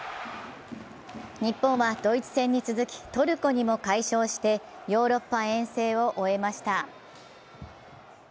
日本はドイツ戦に続きトルコにも快勝してヨーロッパ遠征を終えました。